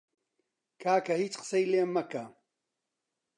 کاکە هیچ قسەی لێ مەکە!